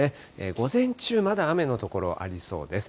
午前中まだ雨の所ありそうです。